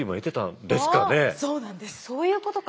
そういうことか！